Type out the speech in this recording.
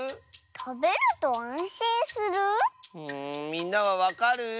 みんなはわかる？